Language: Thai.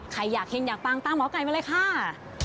ใครอยากเฮงอยากปังตามหมอไก่มาเลยค่ะ